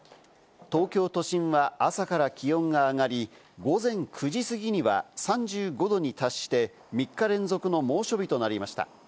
東京都心は朝から気温が上がり、午前９時過ぎには３５度に達して、３日連続の猛暑日となりました。